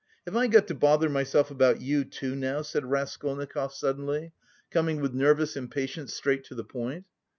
"Have I got to bother myself about you, too, now?" said Raskolnikov suddenly, coming with nervous impatience straight to the point.